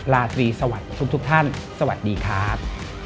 ลาตรีสวัสดีทุกท่านสวัสดีครับ